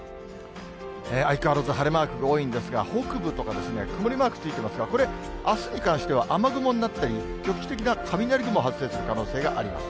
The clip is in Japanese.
相変わらず晴れマークが多いんですが、北部とか曇りマークついてますが、あすに関しては、雨雲になったり、局地的な雷雲発生する可能性があります。